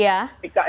satu juga nya